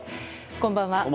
こんばんは。